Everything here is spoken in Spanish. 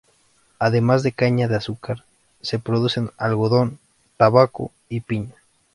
Además de caña de azúcar se produce algodón, tabaco y piña.